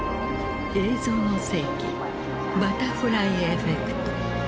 「映像の世紀バタフライエフェクト」。